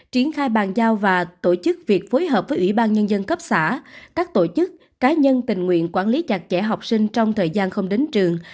triển khai bàn giao và tổ chức việc phối hợp với ủy ban nhân dân cấp xã các tổ chức cá nhân tình nguyện quản lý chặt chẽ học sinh trong thời gian không đến trường